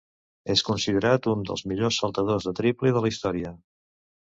És considerat un dels millors saltadors de triple de la història.